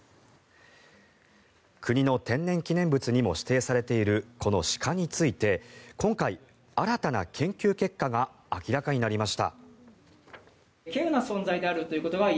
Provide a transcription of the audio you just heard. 国の天然記念物にも指定されているこの鹿について今回、新たな研究結果が明らかになりました。